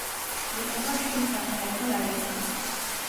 იყოფა შვიდ საქალაქო რაიონად.